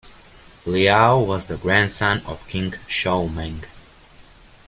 Liao was the grandson of King Shoumeng.